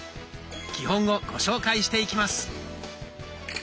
基本をご紹介していきます。